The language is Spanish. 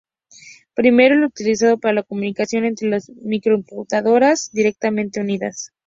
Primero el utilizado para la comunicación entre dos microcomputadoras directamente unidas.